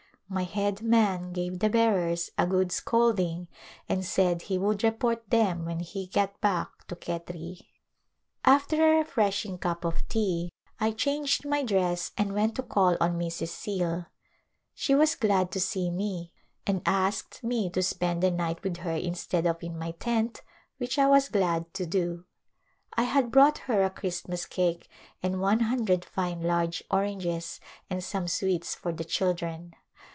My head man gave the bearers a good scolding and said he would report them when he got back to Khetri. After a refreshing cup of tea I [ 299] A Gliynpse of India changed my dress and went to call on Mrs. Scale. She was glad to see me and asked me to spend the night with her instead of in my tent which I was glad to do. I had brought her a Christmas cake and one hundred fine large oranges and some sweets for the children.